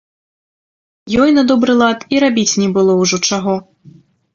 Ёй на добры лад і рабіць не было ўжо чаго.